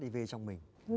đi vê trong mình